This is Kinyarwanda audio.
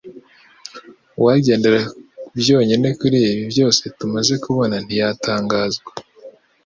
Uwagendera byonyine kuri ibi byose tumaze kubona ntiyatangazwa